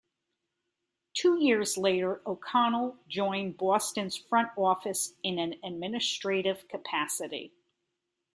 Two years later, O'Connell joined Boston's front office in an administrative capacity.